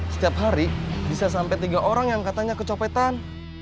setiap hari bisa sampai tiga orang yang katanya kecopetan